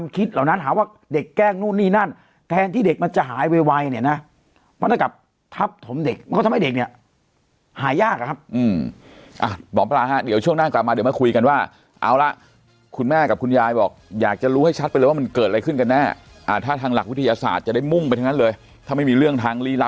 คิดเหล่านั้นหาว่าเด็กแกล้งนู่นนี่นั่นแทนที่เด็กมันจะหายเวยวัยเนี้ยนะเพราะถ้ากับทับถมเด็กมันก็ทำให้เด็กเนี้ยหายากอ่ะครับอืมอ่าหมอปลาห้าเดี๋ยวช่วงหน้ากลับมาเดี๋ยวมาคุยกันว่าเอาล่ะคุณแม่กับคุณยายบอกอยากจะรู้ให้ชัดไปเลยว่ามันเกิดอะไรขึ้นกันแน่อ่าถ้าทางหลักวิทยาศาสตร